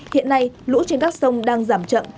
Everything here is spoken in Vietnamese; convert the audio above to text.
hiện nay lũ trên các sông đang giảm trận